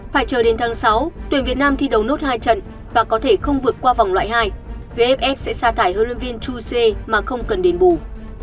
phải chờ đến tháng sáu tuyển việt nam thi đấu nốt hai trận và có thể không vượt qua vòng loại hai vff sẽ xa thải huấn luyện viên chuse mà không cần đến bù